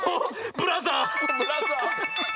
ブラザー。